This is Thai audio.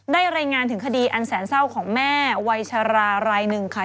ได้รายงานถึงคดีอันแสนเศร้าของแม่วัยชรารายหนึ่งค่ะ